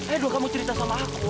aduh kamu cerita sama aku